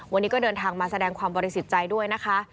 วันนี้ก็เดินทางมาแสดงความบริสุทธิ์ใจด้วยนะคะ